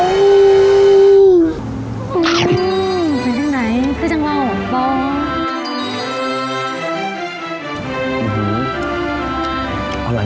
อื้อไปตรงไหนขึ้นจังหล่อหอมป่าว